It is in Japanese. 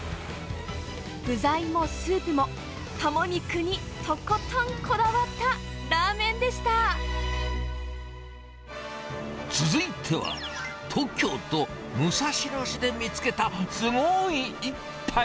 具材もスープも、カモ肉にと続いては、東京都武蔵野市で見つけた、すごーい一杯。